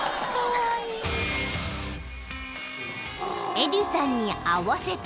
［エドゥさんに合わせて］